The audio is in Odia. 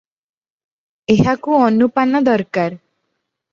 ଏହାକୁ ଅନୁପାନ ଦରକାର ।